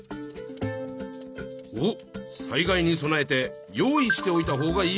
おっ災害に備えて用意しておいた方がいいものか！